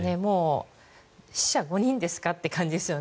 死者５人ですかって感じですよね。